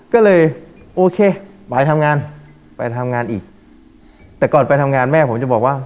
ก็เลยโอเคไปทำงานไปทำงานอีกแต่ก่อนไปทำงานแม่ผมจะบอกว่า